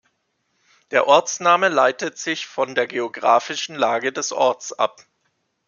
Der Ortsname leitet sich von der geografischen Lage des Orts ab.